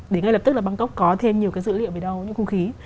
để ngay lập tức là bangkok có thêm nhiều cái dữ liệu về đâu những khung khí